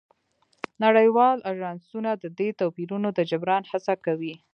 نړیوال اژانسونه د دې توپیرونو د جبران هڅه کوي